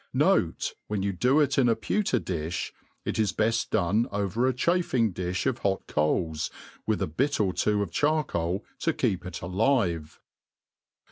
. Npte, when you do it in a pewter difk, it is beft done over a chaffing^difh of hot coals, wiih a bit or two of charcoal to keep it alive.